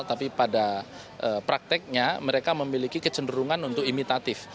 tapi pada prakteknya mereka memiliki kecenderungan untuk imitatif